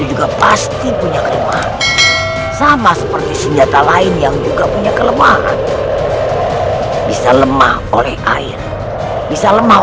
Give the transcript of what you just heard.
untuk mengetahui apa kelemahan pedagang